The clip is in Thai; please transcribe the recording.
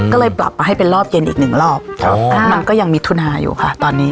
ก็เลยปรับมาให้เป็นรอบเย็นอีกหนึ่งรอบมันก็ยังมิถุนาอยู่ค่ะตอนนี้